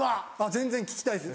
全然聞きたいです。